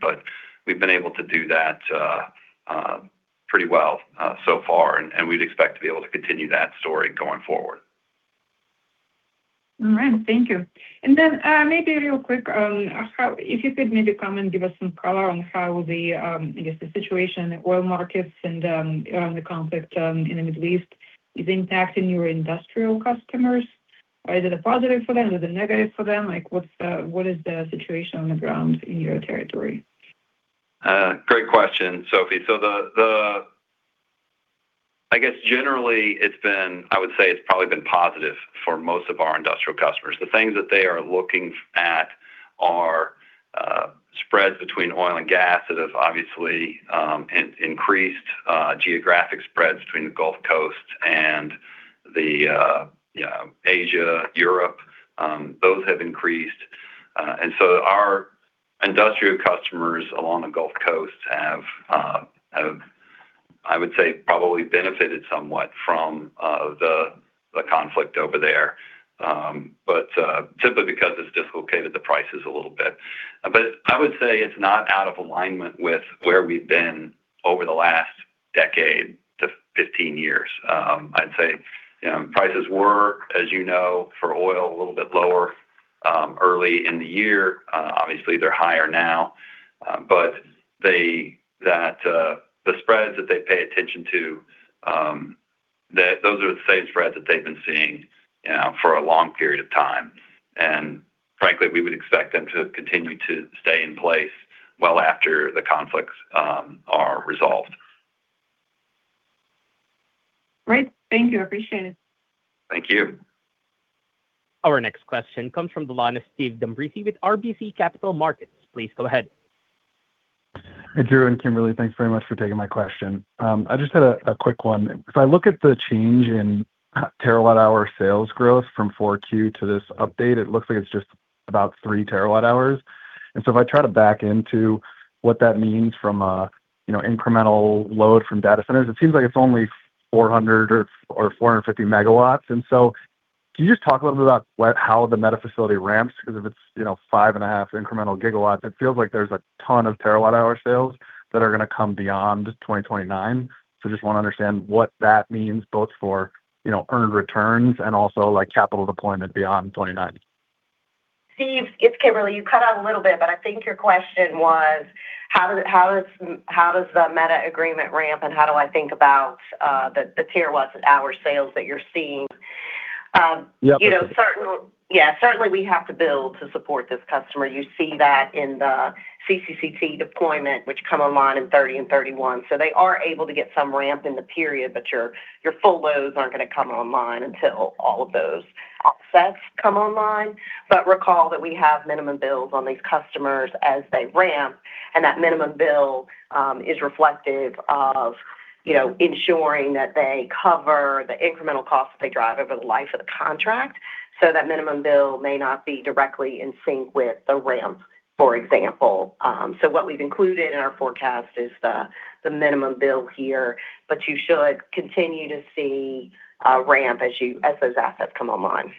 Speaker 3: We've been able to do that, pretty well, so far, and we'd expect to be able to continue that story going forward.
Speaker 12: All right, thank you. Maybe real quick on how, if you could maybe comment and give us some color on how the, I guess the situation in oil markets and the conflict in the Middle East is impacting your industrial customers. Is it a positive for them? Is it negative for them? Like, what's the, what is the situation on the ground in your territory?
Speaker 3: Great question, Sophie. I guess generally it's been, I would say it's probably been positive for most of our industrial customers. The things that they are looking at are spreads between oil and gas. It has obviously increased geographic spreads between the Gulf Coast and the, you know, Asia, Europe. Those have increased. Our industrial customers along the Gulf Coast have, I would say probably benefited somewhat from the conflict over there. Typically because it's dislocated the prices a little bit. I would say it's not out of alignment with where we've been over the last decade to 15 years. I'd say prices were, as you know, for oil, a little bit lower early in the year. Obviously they're higher now. The spreads that they pay attention to, that those are the same spreads that they've been seeing, you know, for a long period of time. Frankly, we would expect them to continue to stay in place well after the conflicts are resolved.
Speaker 12: Great. Thank you. Appreciate it.
Speaker 3: Thank you.
Speaker 1: Our next question comes from the line of Stephen D'Ambrisi with RBC Capital Markets. Please go ahead.
Speaker 13: Hey, Drew and Kimberly, thanks very much for taking my question. I just had a quick one. If I look at the change in terawatt hour sales growth from Q4 to this update, it looks like it's just about 3 TWh. If I try to back into what that means from a, you know, incremental load from data centers, it seems like it's only 400 MW or 450 MW. Can you just talk a little bit about how the Meta facility ramps? Cause if it's, you know, 5.5 incremental gigawatts, it feels like there's a ton of terawatt hour sales that are gonna come beyond 2029. Just wanna understand what that means both for, you know, earned returns and also like capital deployment beyond 29.
Speaker 4: Steve, it's Kimberly. You cut out a little bit, but I think your question was how does the Meta agreement ramp, and how do I think about the terawatt-hour sales that you're seeing?
Speaker 13: Yeah.
Speaker 4: Yeah. Certainly we have to build to support this customer. You see that in the CCCT deployment, which come online in 30 and 31. They are able to get some ramp in the period, your full loads aren't gonna come online until all of those assets come online. Recall that we have minimum bills on these customers as they ramp, and that minimum bill is reflective of, you know, ensuring that they cover the incremental costs that they drive over the life of the contract. That minimum bill may not be directly in sync with the ramp, for example. What we've included in our forecast is the minimum bill here, but you should continue to see a ramp as those assets come online.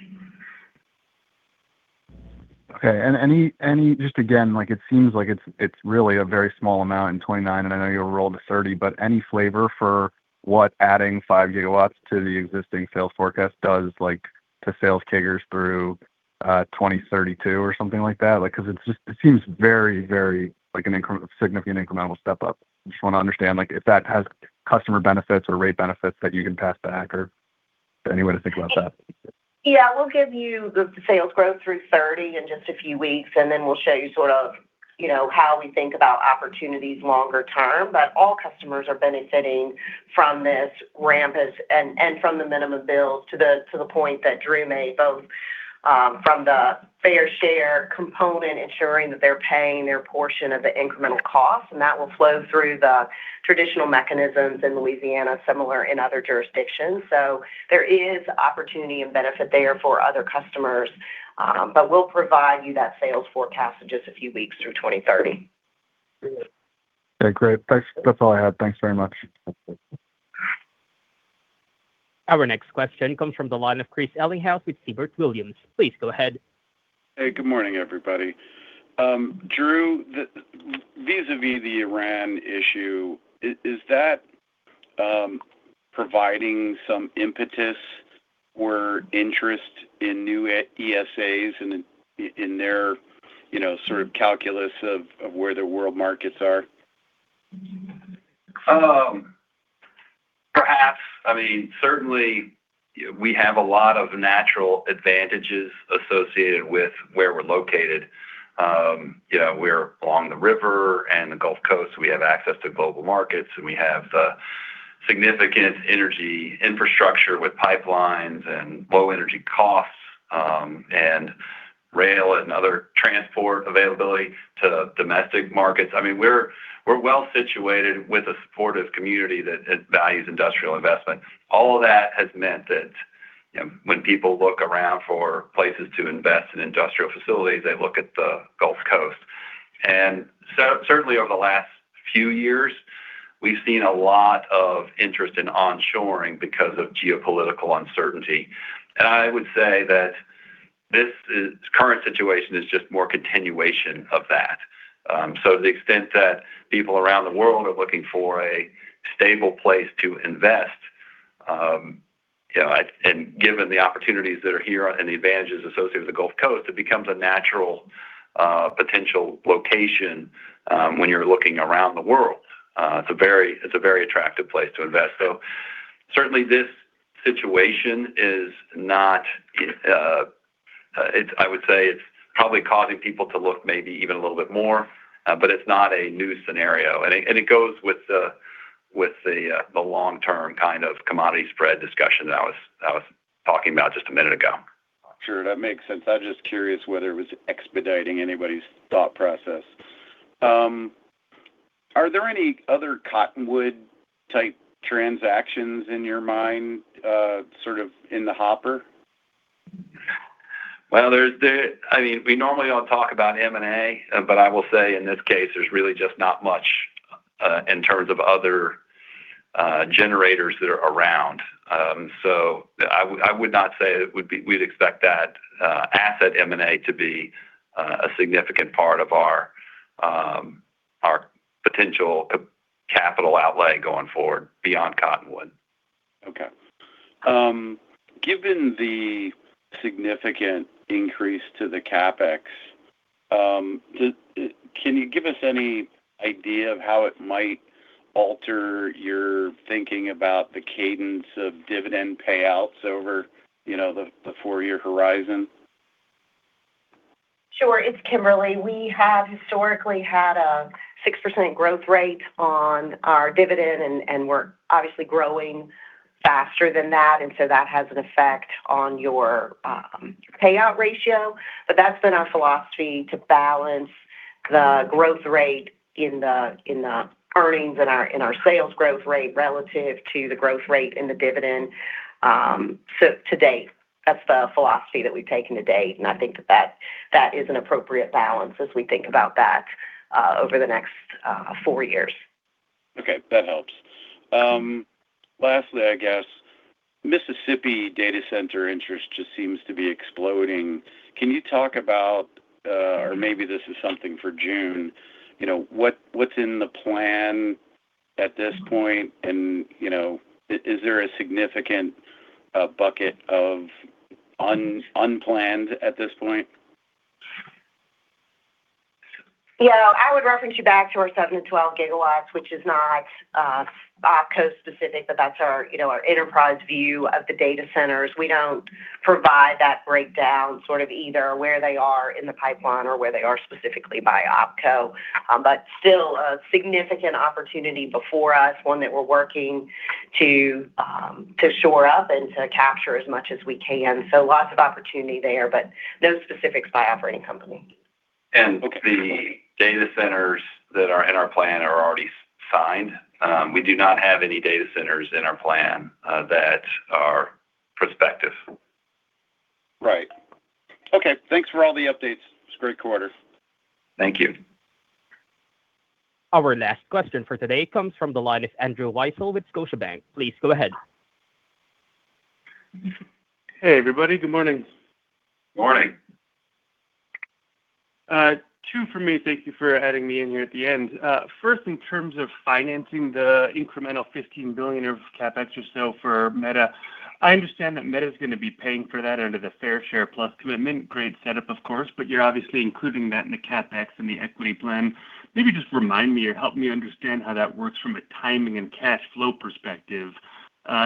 Speaker 13: Okay. Any Just again, like it seems like it's really a very small amount in 2029, I know you'll roll to 2030, any flavor for what adding 5 GW to the existing sales forecast does like to sales triggers through 2032 or something like that? 'Cause it's just it seems very, very like a significant incremental step up. Just wanna understand like if that has customer benefits or rate benefits that you can pass back or any way to think about that.
Speaker 4: Yeah. We'll give you the sales growth through 2030 in just a few weeks, and then we'll show you sort of, you know, how we think about opportunities longer term. All customers are benefiting from this ramp as and from the minimum bills to the point that Drew made, both from the fair share component, ensuring that they're paying their portion of the incremental cost. That will flow through the traditional mechanisms in Louisiana, similar in other jurisdictions. There is opportunity and benefit there for other customers. We'll provide you that sales forecast in just three weeks through 2030.
Speaker 13: Okay. Great. Thanks. That's all I had. Thanks very much.
Speaker 1: Our next question comes from the line of Christopher Ellinghaus with Siebert Williams Shank. Please go ahead.
Speaker 14: Hey, good morning, everybody. Drew, vis-a-vis the Iran issue, is that providing some impetus or interest in new ESAs and in their, you know, sort of calculus of where the world markets are?
Speaker 3: Perhaps. Certainly we have a lot of natural advantages associated with where we're located. We're along the river and the Gulf Coast. We have access to global markets, and we have the significant energy infrastructure with pipelines and low energy costs, and rail and other transport availability to domestic markets. We're well situated with a supportive community that it values industrial investment. All of that has meant that when people look around for places to invest in industrial facilities, they look at the Gulf Coast. Certainly over the last few years, we've seen a lot of interest in onshoring because of geopolitical uncertainty. I would say that this current situation is just more continuation of that. So to the extent that people around the world are looking for a stable place to invest, you know, and given the opportunities that are here and the advantages associated with the Gulf Coast, it becomes a natural potential location when you're looking around the world. It's a very attractive place to invest. Certainly this situation is not, I would say it's probably causing people to look maybe even a little bit more, but it's not a new scenario. It goes with the long-term kind of commodity spread discussion that I was talking about just a minute ago.
Speaker 14: Sure. That makes sense. I'm just curious whether it was expediting anybody's thought process. Are there any other Cottonwood-type transactions in your mind, sort of in the hopper?
Speaker 3: Well, I mean, we normally don't talk about M&A, but I will say in this case, there's really just not much in terms of other generators that are around. I would not say we'd expect that asset M&A to be a significant part of our potential capital outlay going forward beyond Cottonwood.
Speaker 14: Okay. Given the significant increase to the CapEx, can you give us any idea of how it might alter your thinking about the cadence of dividend payouts over, you know, the four-year horizon?
Speaker 4: Sure. It's Kimberly. We have historically had a 6% growth rate on our dividend, and we're obviously growing faster than that. That has an effect on your payout ratio. That's been our philosophy to balance the growth rate in the earnings in our sales growth rate relative to the growth rate in the dividend, so to date. That's the philosophy that we've taken to date, and I think that that is an appropriate balance as we think about that over the next four years.
Speaker 14: Okay. That helps. Lastly, I guess, Mississippi data center interest just seems to be exploding. Can you talk about?
Speaker 4: Mm-hmm...
Speaker 14: or maybe this is something for June, you know, what's in the plan at this point? You know, is there a significant bucket of unplanned at this point?
Speaker 4: Yeah. I would reference you back to our 7 GW-12 GW, which is not OpCo specific, but that's our, you know, our enterprise view of the data centers. We don't provide that breakdown sort of either where they are in the pipeline or where they are specifically by OpCo. Still a significant opportunity before us, one that we're working to shore up and to capture as much as we can. Lots of opportunity there, but no specifics by operating company.
Speaker 3: The data centers that are in our plan are already signed. We do not have any data centers in our plan that are prospective.
Speaker 14: Right. Okay. Thanks for all the updates. It's a great quarter.
Speaker 3: Thank you.
Speaker 1: Our last question for today comes from the line of Andrew Weisel with Scotiabank. Please go ahead.
Speaker 15: Hey, everybody. Good morning.
Speaker 3: Morning.
Speaker 15: Two for me. Thank you for adding me in here at the end. In terms of financing the incremental $15 billion of CapEx or so for Meta, I understand that Meta is gonna be paying for that under the Fair Share Plus commitment. Great setup, of course, you're obviously including that in the CapEx and the equity plan. Maybe just remind me or help me understand how that works from a timing and cash flow perspective.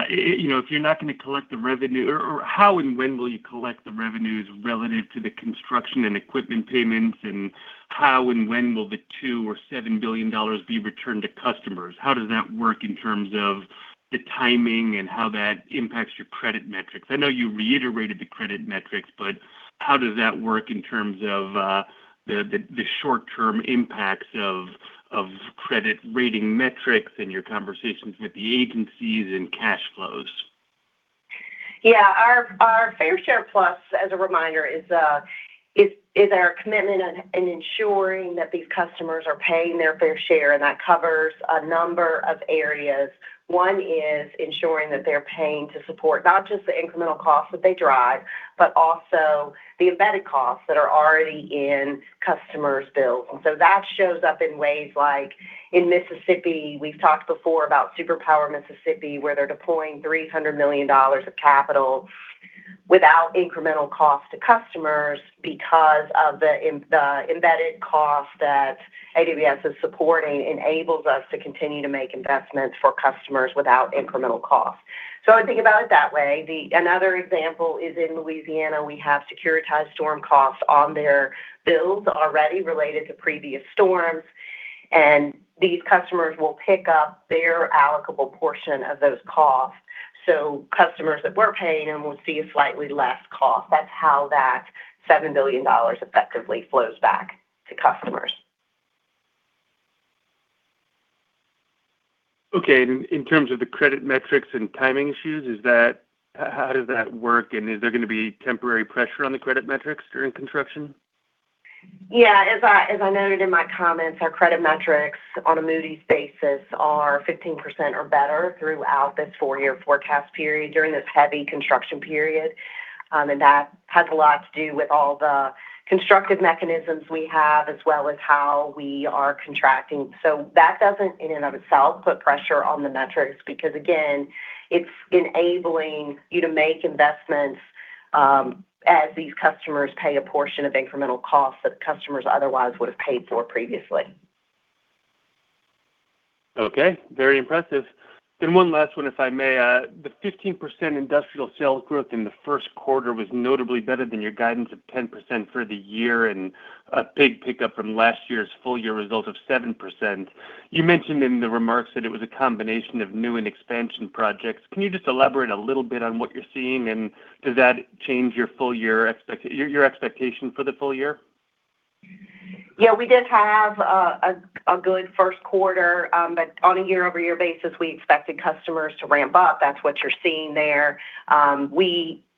Speaker 15: You know, if you're not gonna collect the revenue or how and when will you collect the revenues relative to the construction and equipment payments, and how and when will the $2 billion or $7 billion be returned to customers? How does that work in terms of the timing and how that impacts your credit metrics? I know you reiterated the credit metrics, but how does that work in terms of the short-term impacts of credit rating metrics and your conversations with the agencies and cash flows?
Speaker 4: Yeah. Our Fair Share Plus, as a reminder, is our commitment in ensuring that these customers are paying their fair share, and that covers a number of areas. One is ensuring that they're paying to support not just the incremental costs that they drive, but also the embedded costs that are already in customers' bills. That shows up in ways like in Mississippi, we've talked before about Superpower Mississippi, where they're deploying $300 million of capital without incremental cost to customers because of the embedded cost that AWS is supporting enables us to continue to make investments for customers without incremental cost. I think about it that way. Another example is in Louisiana, we have securitized storm costs on their bills already related to previous storms, and these customers will pick up their allocable portion of those costs. Customers that were paying them will see a slightly less cost. That's how that $7 billion effectively flows back to customers.
Speaker 15: Okay. In terms of the credit metrics and timing issues, how does that work, and is there gonna be temporary pressure on the credit metrics during construction?
Speaker 4: Yeah. As I noted in my comments, our credit metrics on a Moody's basis are 15% or better throughout this four year forecast period, during this heavy construction period. That has a lot to do with all the constructive mechanisms we have, as well as how we are contracting. That doesn't in and of itself put pressure on the metrics because, again, it's enabling you to make investments as these customers pay a portion of incremental costs that customers otherwise would have paid for previously.
Speaker 15: Okay. Very impressive. One last one, if I may. The 15% industrial sales growth in the first quarter was notably better than your guidance of 10% for the year and a big pickup from last year's full-year result of 7%. You mentioned in the remarks that it was a combination of new and expansion projects. Can you just elaborate a little bit on what you're seeing, and does that change your full-year expectation for the full-year?
Speaker 4: Yeah, we did have a good first quarter. On a year-over-year basis, we expected customers to ramp up. That's what you're seeing there.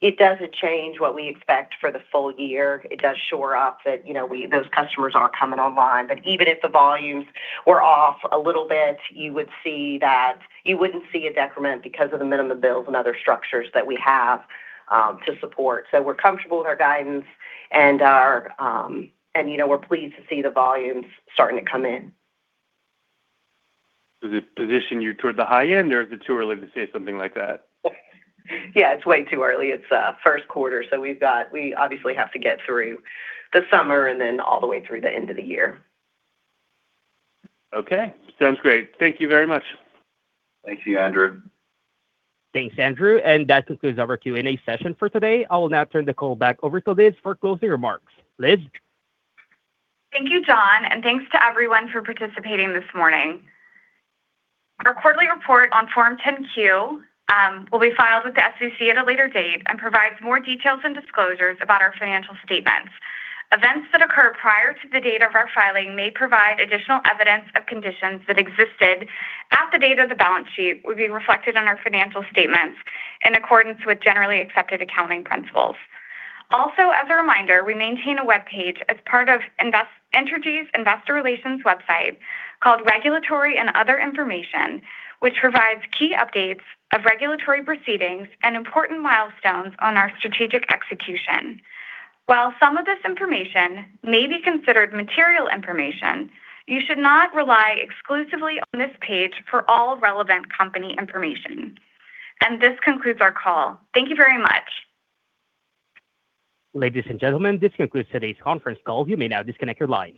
Speaker 4: It doesn't change what we expect for the full-year. It does shore up that, you know, those customers are coming online. Even if the volumes were off a little bit, you wouldn't see a decrement because of the minimum bills and other structures that we have to support. We're comfortable with our guidance and our, and, you know, we're pleased to see the volumes starting to come in.
Speaker 15: Does it position you toward the high end, or is it too early to say something like that?
Speaker 4: Yeah, it's way too early. It's, first quarter. We obviously have to get through the summer and then all the way through the end of the year.
Speaker 15: Okay, sounds great. Thank you very much.
Speaker 4: Thank you, Andrew.
Speaker 1: Thanks, Andrew, and that concludes our Q&A session for today. I will now turn the call back over to Liz Hunter for closing remarks. Liz Hunter?
Speaker 2: Thank you, John, and thanks to everyone for participating this morning. Our quarterly report on Form 10-Q will be filed with the SEC at a later date and provides more details and disclosures about our financial statements. Events that occur prior to the date of our filing may provide additional evidence of conditions that existed at the date of the balance sheet will be reflected on our financial statements in accordance with generally accepted accounting principles. Also, as a reminder, we maintain a webpage as part of Entergy's investor relations website called Regulatory and Other Information, which provides key updates of regulatory proceedings and important milestones on our strategic execution. While some of this information may be considered material information, you should not rely exclusively on this page for all relevant company information. This concludes our call. Thank you very much.
Speaker 1: Ladies and gentlemen, this concludes today's conference call. You may now disconnect your lines.